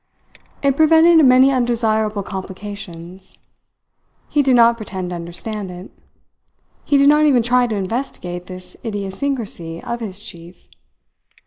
It prevented many undesirable complications. He did not pretend to understand it. He did not even try to investigate this idiosyncrasy of his chief.